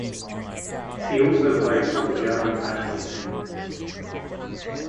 He also plays with the German national team.